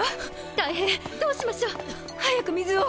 ⁉大変どうしましょう⁉早く水を！